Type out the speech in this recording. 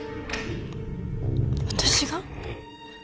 私が？